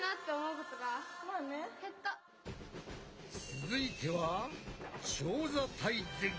続いては長座体前屈。